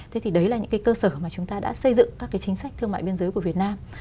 thế thì đấy là những cái cơ sở mà chúng ta đã xây dựng các cái chính sách thương mại biên giới của việt nam